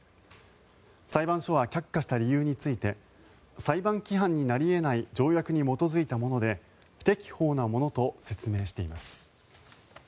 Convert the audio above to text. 裁判所は却下した理由について裁判規範になり得ない条約に基づいたもので不適法なものと説明しています。